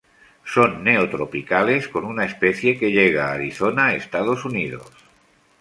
Son neotropicales con una especie que llega a Arizona, Estados Unidos.